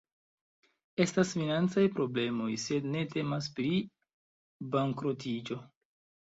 Estas financaj problemoj, sed ne temas pri bankrotiĝo.